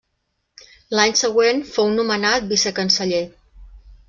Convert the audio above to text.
L’any següent fou nomenat vicecanceller.